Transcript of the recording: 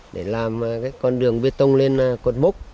để làm con đường bê tông lên cuộn mốc